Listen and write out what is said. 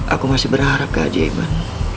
aku masih berharap keajaiban